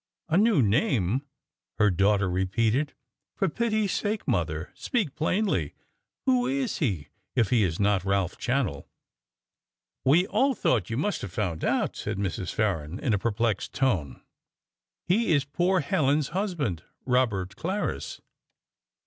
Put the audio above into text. "A new name!" her daughter repeated. "For pity's sake, mother, speak plainly. Who is he, if he is not Ralph Channell?" "We all thought you must have found out," said Mrs. Farren, in a perplexed tone. "He is poor Helen's husband Robert Clarris."